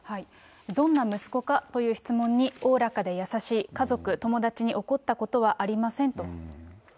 どんな息子かという質問に、おおらかで優しい、家族、友達に怒ったことはありませんと。